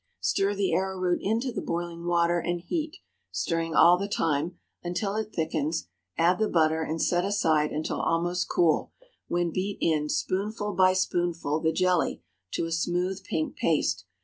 Stir the arrowroot into the boiling water and heat, stirring all the time, until it thickens; add the butter, and set aside until almost cool, when beat in, spoonful by spoonful, the jelly to a smooth pink paste.